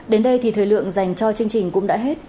đến đây thì thời lượng dành cho chương trình cũng đã hết